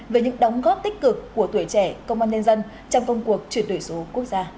về những đóng góp tích cực của tuổi trẻ công an nhân dân trong công cuộc chuyển đổi số quốc gia